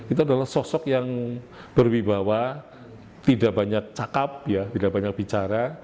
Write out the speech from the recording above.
itu adalah sosok yang berwibawa tidak banyak cakap tidak banyak bicara